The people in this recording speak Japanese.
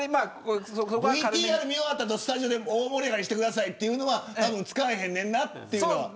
ＶＴＲ見終わった後スタジオで大盛り上がりしてくださいというのはたぶん使われへんねんなというのは。